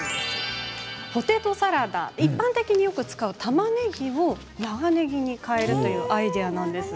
ポテトサラダ、一般的によく使うたまねぎを長ねぎに変えるというアイデアなんです。